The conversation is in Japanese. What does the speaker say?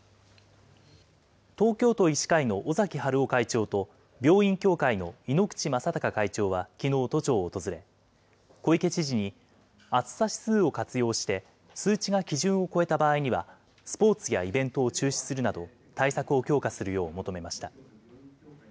東京都医師会の尾崎治夫会長と、病院協会の猪口正孝会長はきのう、都庁を訪れ、小池知事に、暑さ指数を活用して、数値が基準を超えた場合には、スポーツやイベントを中止するなど、対策を強化するよう求めました。